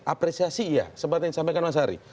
apresiasi iya seperti yang disampaikan mas ari